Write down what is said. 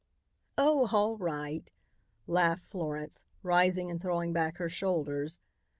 "Oh, all right," laughed Florence, rising and throwing back her shoulders.